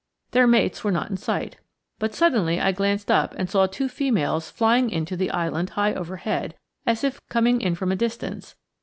Their mates were not in sight. But suddenly I glanced up and saw two females flying in to the island high overhead, as if coming from a distance.